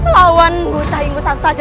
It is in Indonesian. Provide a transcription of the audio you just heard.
lawan bucai ngusan saja